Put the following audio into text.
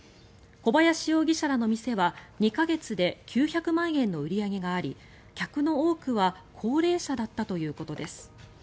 小林容疑者らの店は２か月で９００万円の売り上げがあり、客の多くは高齢者だったということです。